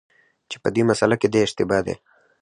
چي په دې مسأله کي دی اشتباه دی،